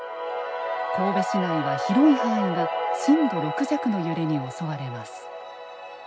神戸市内は広い範囲が震度６弱の揺れに襲われます。